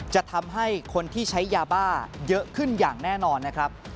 จะทำให้คนที่ใช้ยาบ้าเยอะขึ้นอย่างแน่นอนนะครับ